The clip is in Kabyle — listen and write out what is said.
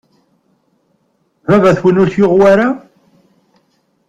Baba-twen ur t-yuɣ wara?